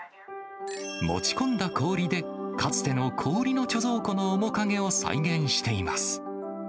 持ち込んだ氷で、かつての氷の貯蔵庫の面影を再現しています。